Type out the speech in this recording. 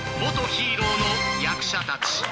元ヒーローの役者たち］